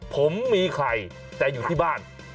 ผมมีใครแต่อยู่ที่บ้าน